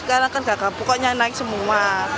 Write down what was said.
sekarang kan gak kabur koknya naik semua